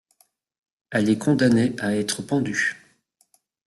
Elle est condamnée à être pendue.